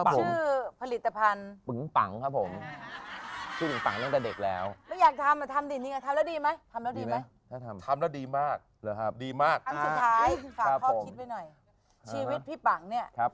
พลิตภัณฑ์ปึ๊งปังแล้วอยากทำทำดิมากเลยครับดีมากชีวิตพี่ปัง